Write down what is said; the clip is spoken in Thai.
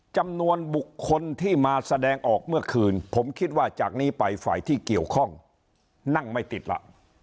จำนวนบุคคลที่มาแสดงออกเมื่อคืนผมคิดว่าจากนี้ไปฝ่ายที่เกี่ยวข้องนั่งไม่ติดล่ะ